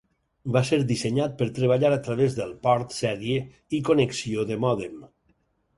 Va ser dissenyat per treballar a través de port sèrie i connexió de mòdem.